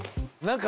何？